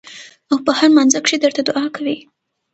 او پۀ هر مانځه کښې درته دعا کوي ـ